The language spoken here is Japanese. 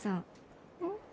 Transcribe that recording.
うん？